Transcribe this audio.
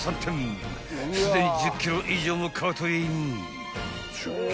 ［すでに１０ｋｇ以上もカートへイン］